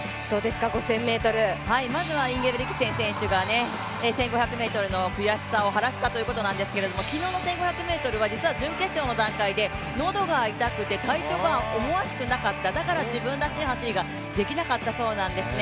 まずはインゲブリクセン選手が１５００ｍの悔しさを晴らすかということなんですけれども昨日の１５００ｍは実は準決勝の時点で体調が思わしくなかった、だから自分らしい走りができなかったそうなんですね。